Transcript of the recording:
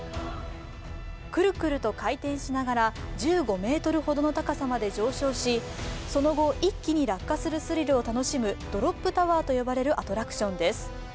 くるくると回転しながら１５ｍほどの高さまで上昇しその後、一気に落下するスリルを楽しむドロップ・タワーと呼ばれるアトラクションです。